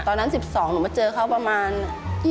ตอนนั้น๑๒หนูก็เจอเขาประมาณ๒๒ได้ค่ะ